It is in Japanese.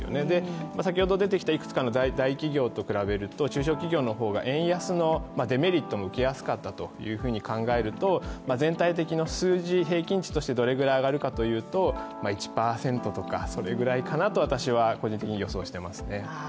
先ほど出てきたいくつかの大企業と比べると、中小企業の方が円安のデメリットも受けやすかったというふうに考えると全体的な数字、平均値としてどれぐらい上がるかというと１％とか、それぐらいかなと私は個人的に予想していますね。